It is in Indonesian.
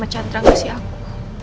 mama chandra ngasih aku